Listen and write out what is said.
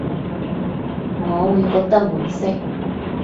我會覺得婉惜